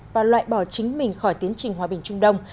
và loại bỏ chính mình khỏi tiến trình hòa bình trung đông